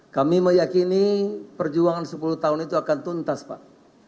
kami meyakini perjuangan sepuluh tahun itu akan tuntas pak